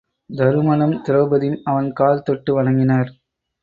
தருமனும் திரெளபதியும் அவன் கால் தொட்டு வணங்கினர்.